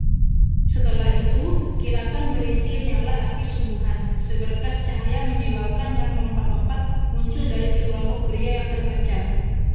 Setelah itu, kilatan berisi nyala api sungguhan, seberkas cahaya menyilaukan yang melompat-lompat, muncul dari sekelompok pria yang terpencar.